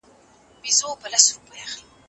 که انلاین تدریس وي نو پوهه نه کمیږي.